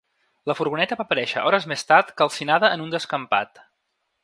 La furgoneta va aparèixer hores més tard calcinada en un descampat.